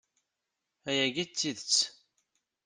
Ayagi d tidet!